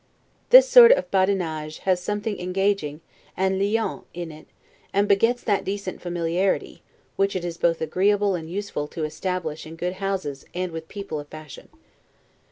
This sort of 'badinage' has something engaging and 'liant' in it, and begets that decent familiarity, which it is both agreeable and useful to establish in good houses and with people of fashion.